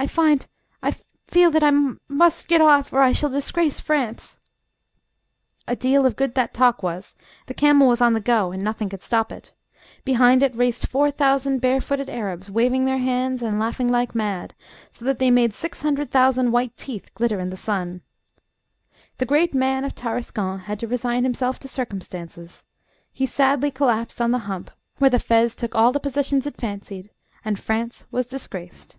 I find I feel that I m m must get off; or I shall disgrace France." A deal of good that talk was the camel was on the go, and nothing could stop it. Behind it raced four thousand barefooted Arabs, waving their hands and laughing like mad, so that they made six hundred thousand white teeth glitter in the sun. The great man of Tarascon had to resign himself to circumstances. He sadly collapsed on the hump, where the fez took all the positions it fancied, and France was disgraced.